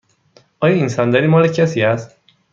آیا این صندلی مال کسی است؟